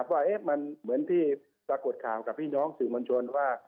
ว่ามันเหมือนที่ปรากฏข่าวกับพี่น้องสื่อมวลชนว่า